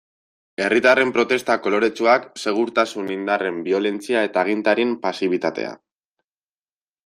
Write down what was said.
Herritarren protesta koloretsuak, segurtasun indarren biolentzia eta agintarien pasibitatea.